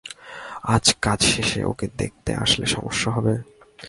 আজ কাজ শেষে ওকে দেখতে আসলে সমস্যা হবে?